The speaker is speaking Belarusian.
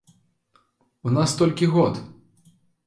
У нас толькі год!